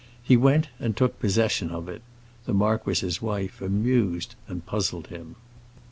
He went and took possession of it; the marquis's wife amused and puzzled him.